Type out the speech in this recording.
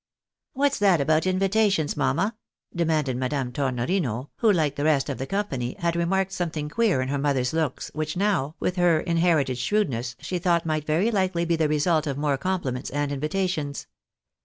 " What's that about invitations, mamma? " demanded INIadame Tornorino, who, like the rest of the company, had remarked some thing queer in her mother's looks, which now, with hei' inherited shrewdness, she thought might very likely be the result of more compliments and invitations.